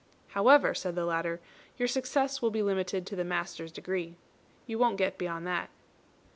"However," said the latter, "your success will be limited to the master's degree. You won't get beyond that."